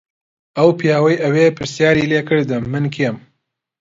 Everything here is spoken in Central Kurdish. ئەو پیاوەی ئەوێ پرسیاری لێ کردم من کێم.